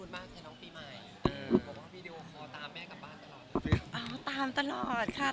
บอกว่าคนดูดมากในครองปีใหม่บอกว่ามีดีโอขอตามแม่กลับบ้านตลอดเลย